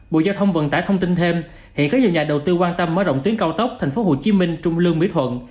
bộ giao thông vận tải thông tin thêm hiện có nhiều nhà đầu tư quan tâm mở rộng tuyến cao tốc tp hcm trung lương mỹ thuận